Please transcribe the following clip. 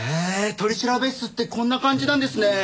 取調室ってこんな感じなんですね。